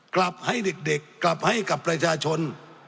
กลับให้เด็กกลับให้กับประชาชน